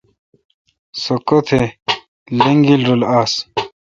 سوُ کتھ لنگیل رل آس